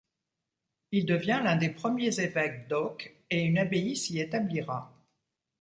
Il devient l'un des premiers évêque d'Auch et une abbaye s'y établira.